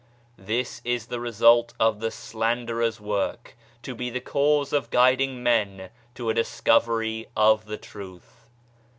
This is the result of the slanderer's work : to be the cause of guiding men to a discovery of the Truth.